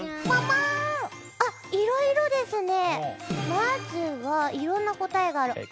まずは色んな答えがある。